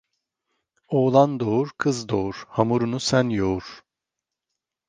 Oğlan doğur, kız doğur; hamurunu sen yoğur.